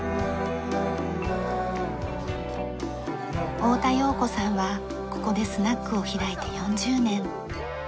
太田洋子さんはここでスナックを開いて４０年。